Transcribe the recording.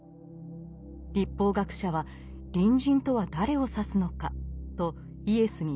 律法学者は「隣人とは誰を指すのか」とイエスに問いました。